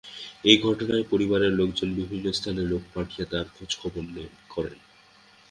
এ ঘটনায় পরিবারের লোকজন বিভিন্ন স্থানে লোক পাঠিয়ে তার খোঁজখবর করেন।